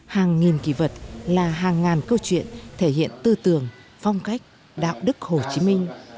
hàng nghìn kỳ vật là hàng ngàn câu chuyện thể hiện tư tưởng phong cách đạo đức hồ chí minh